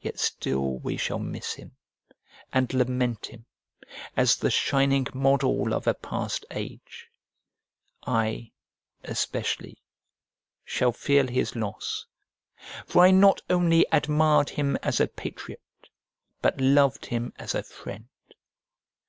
Yet still we shall miss him and lament him, as the shining model of a past age; I, especially, shall feel his loss, for I not only admired him as a patriot, but loved him as a friend.